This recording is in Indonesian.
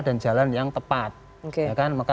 dan jalan yang tepat maka